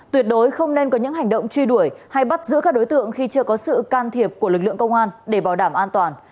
tuyệt đối không nên có những hành động truy đuổi hay bắt giữ các đối tượng khi chưa có sự can thiệp của lực lượng công an để bảo đảm an toàn